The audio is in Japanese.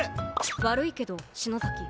悪いけど篠崎。